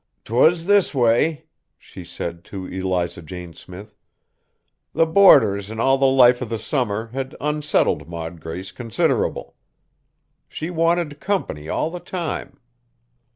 "'T was this way," she said to Eliza Jane Smith, "the boarders, an' all the life of the summer, had onsettled Maud Grace considerable. She wanted company all the time.